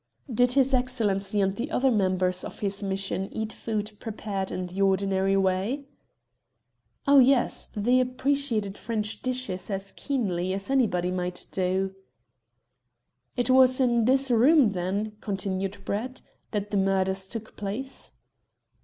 "Did his Excellency and the other members of the mission eat food prepared in the ordinary way?" "Oh, yes; they appreciated French dishes as keenly as anybody might do." "It was in this room, then," continued Brett, "that the murders took place?"